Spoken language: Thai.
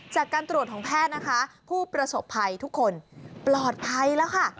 จากการตรวจของแพทย์นะคะผู้ประสบภัยทุกคนปลอดภัยแล้วค่ะ